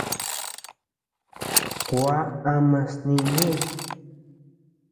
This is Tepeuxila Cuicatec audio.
Kuá ama snï ñeʼes.